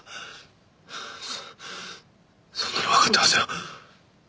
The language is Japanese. そんなのわかってますよ。